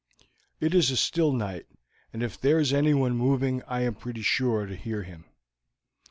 It is a still night, and if there is anyone moving I am pretty sure to hear him."